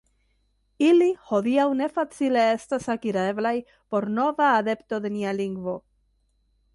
Ili hodiaŭ ne facile estas akireblaj por nova adepto de nia lingvo.